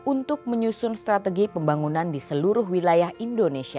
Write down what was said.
untuk menyusun strategi pembangunan di seluruh wilayah indonesia